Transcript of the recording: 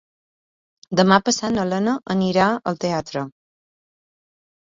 Demà passat na Lena anirà al teatre.